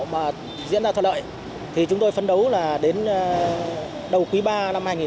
mà diễn ra thật lợi thì chúng tôi phân đấu là đến đầu quý ba năm hai nghìn một mươi tám